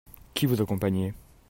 Qui vous accompagnait ?